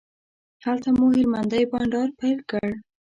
هلته مو هلمندی بانډار پیل کړ.